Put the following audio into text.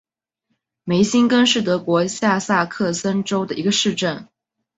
梅辛根是德国下萨克森州的一个市镇。